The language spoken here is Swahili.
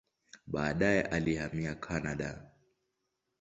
Baadaye alihamia Kanada.